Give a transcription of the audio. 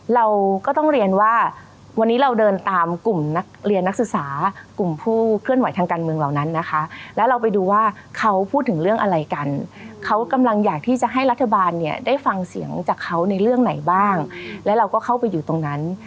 เราก็ต้องเรียนว่าวันนี้เราเดินตามกลุ่มนักเรียนนักศึกษากลุ่มผู้เคลื่อนไหวทางการเมืองเหล่านั้นนะคะแล้วเราไปดูว่าเขาพูดถึงเรื่องอะไรกันเขากำลังอยากที่จะให้รัฐบาลเนี่ยได้ฟังเสียงจากเขาในเรื่องไหนบ้างและเราก็เข้าไปอยู่ตรงนั้น